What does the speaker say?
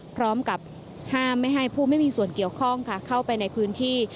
พร้อมกับห้ามไม่ให้ผู้ไม่มีส่วนเกี่ยวข้องค่ะเข้าไปในพื้นที่